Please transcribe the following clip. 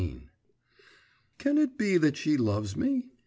XIII 'Can it be that she loves me?